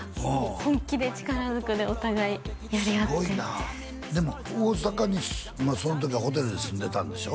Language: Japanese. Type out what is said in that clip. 本気で力ずくでお互いやりあってすごいな大阪にその時はホテルで住んでたんでしょ？